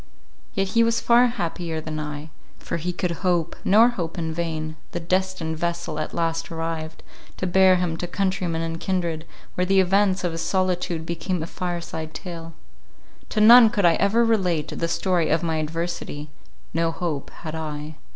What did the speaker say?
Yet he was far happier than I: for he could hope, nor hope in vain—the destined vessel at last arrived, to bear him to countrymen and kindred, where the events of his solitude became a fire side tale. To none could I ever relate the story of my adversity; no hope had I.